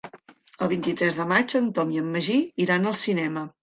El vint-i-tres de maig en Tom i en Magí iran al cinema.